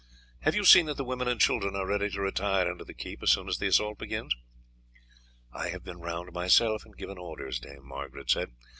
Have you seen that the women and children are ready to retire into the keep as soon as the assault begins?" "I have been round myself and given orders," Dame Margaret said.